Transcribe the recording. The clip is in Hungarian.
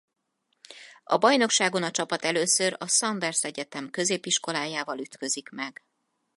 A bajnokságon a csapat először a Saunders Egyetem Középiskolájával ütközik meg.